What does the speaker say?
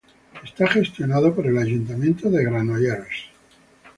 Está gestionado por el Ayuntamiento de Granollers.